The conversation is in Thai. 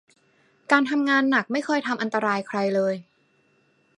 การทำงานหนักไม่เคยทำอันตรายใครเลย